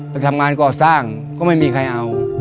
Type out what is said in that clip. ไปทำงานก่อสร้างก็ไม่มีใครเอา